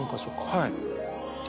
はい。